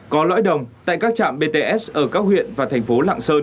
có lõi đồng tại các trạm bts ở các huyện và thành phố lạng sơn